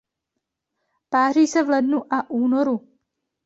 Páří se v lednu a únoru.